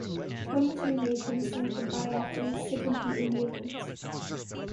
Twenty-two nations sent biathletes to compete in the events.